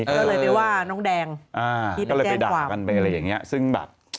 ก็เลยไปว่าน้องแดงที่ไปแจ้งความก็เลยไปด่ากันไปอะไรอย่างนี้